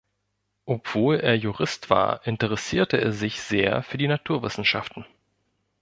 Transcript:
Obwohl er Jurist war, interessierte er sich sehr für die Naturwissenschaften.